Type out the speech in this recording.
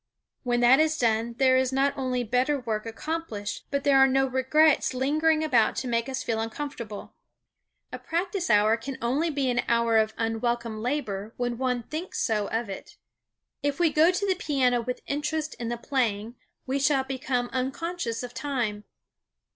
When that is done there is not only better work accomplished but there are no regrets lingering about to make us feel uncomfortable. A practice hour can only be an hour of unwelcome labor when one thinks so of it. If we go to the piano with interest in the playing we shall be unconscious of time.